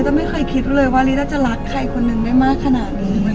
ไม่เคยคิดเลยว่าลีน่าจะรักใครคนนึงได้มากขนาดนี้